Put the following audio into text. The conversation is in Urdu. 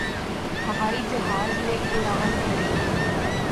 ہوائی جہاز نے اڑان بھری